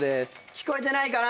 聞こえてないかな。